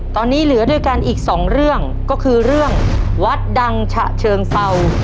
ตอนนี้เหลือด้วยกันอีกสองเรื่องก็คือเรื่องวัดดังฉะเชิงเศร้า